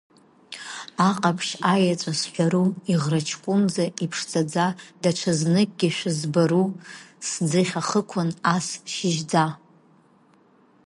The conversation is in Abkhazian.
Аҟаԥшь, аеҵәа сҳәару, иӷраҷкәынӡа, иԥшӡаӡа, даҽазныкгьы шәызбару, сӡыхь ахықәан ас шьыжьӡа?